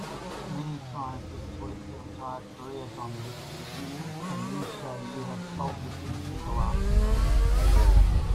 Many scientists work their entire careers on this, and you say you have solved this in a single afternoon?